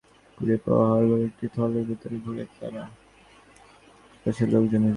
কুড়িয়ে পাওয়া হাড়গোড় একটি থলের ভেতরে ভরে তারা আশপাশের লোকজনকে জানায়।